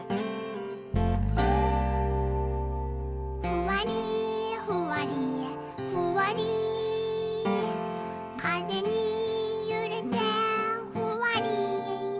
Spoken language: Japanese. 「ふわりふわりふわりかぜにゆれてふわり」